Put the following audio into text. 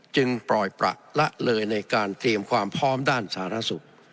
ปล่อยประละเลยในการเตรียมความพร้อมด้านสาธารณสุข